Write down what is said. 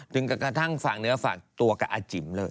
กระทั่งฝากเนื้อฝากตัวกับอาจิ๋มเลย